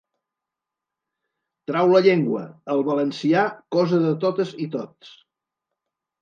“Trau la llengua! El valencià, cosa de totes i tots!”.